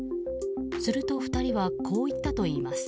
すると２人はこう言ったといいます。